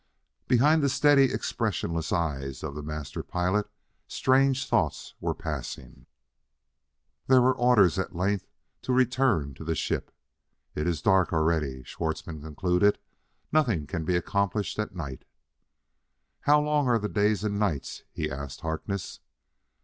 Behind the steady, expressionless eyes of the Master Pilot, strange thoughts were passing.... There were orders, at length, to return to the ship. "It is dark already," Schwartzmann concluded; "nothing can be accomplished at night. "How long are the days and nights?" he asked Harkness.